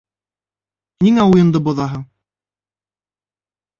— Ниңә уйынды боҙаһың!